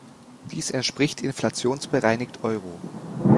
Dies entspricht inflationsbereinigt Euro.